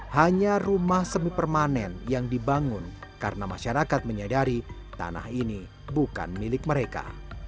hanya rumah semi permanen yang dibangun karena masyarakat menyadari tanah ini bukan milik mereka